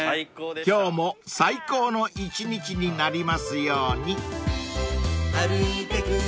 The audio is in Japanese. ［今日も最高の一日になりますように］